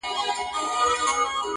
خدایه زموږ ژوند په نوي کال کي کړې بدل!